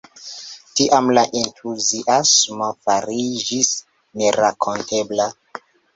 Tiam la entuziasmo fariĝis nerakontebla.